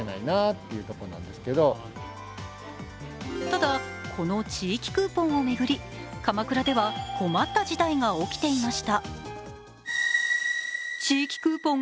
ただ、この地域クーポンを巡り、鎌倉では困った事態が起きていました。